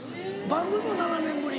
番組７年ぶり？